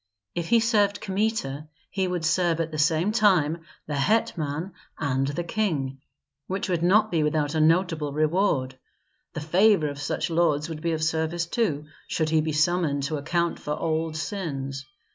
If he served Kmita he would serve at the same time the hetman and the king, which would not be without a notable reward. The favor of such lords would be of service, too, should he be summoned to account for old sins.